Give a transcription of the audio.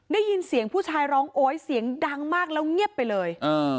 ได้ยินเสียงผู้ชายร้องโอ๊ยเสียงดังมากแล้วเงียบไปเลย